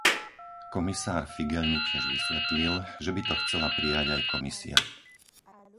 Komisár Figeľ mi tiež vysvetlil, že by to chcela prijať aj Komisia.